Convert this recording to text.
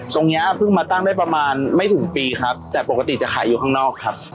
เนี้ยเพิ่งมาตั้งได้ประมาณไม่ถึงปีครับแต่ปกติจะขายอยู่ข้างนอกครับ